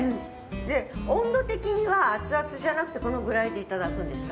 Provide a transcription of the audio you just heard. で、温度的には熱々じゃなくてこのぐらいでいただくんですか。